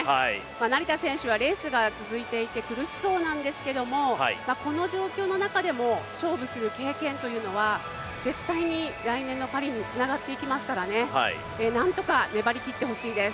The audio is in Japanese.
成田選手はレースが続いていて苦しそうなんですけどもこの状況の中でも勝負する経験というのは、絶対に来年のパリにつながっていきますからなんとか粘りきってほしいです。